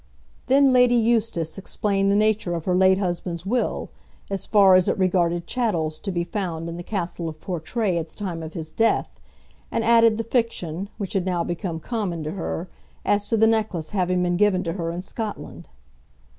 Then Lady Eustace explained the nature of her late husband's will, as far as it regarded chattels to be found in the Castle of Portray at the time of his death; and added the fiction, which had now become common to her, as to the necklace having been given to her in Scotland.